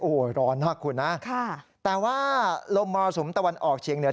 โอ้โหร้อนมากคุณนะค่ะแต่ว่าลมมรสุมตะวันออกเชียงเหนือ